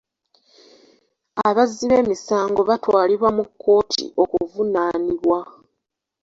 Abazzi b'emisango batwalibwa mu kkooti okuvunaanibwa.